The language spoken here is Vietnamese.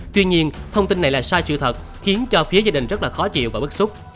tuy nhiên thông tin này là sai sự thật khiến cho phía gia đình rất là khó chịu và bức xúc